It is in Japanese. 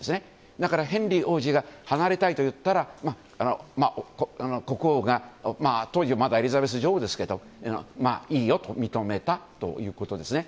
だからヘンリー王子が離れたいと言ったら国王が当時はまだエリザベス女王ですがいいよと認めたということですね。